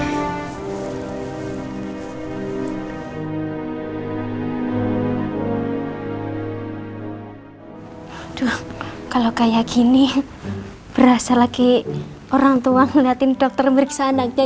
decided kalau kayak gini berasa laki orang tua meliatin dokter meriksa anaknya